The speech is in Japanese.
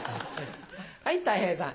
はいたい平さん。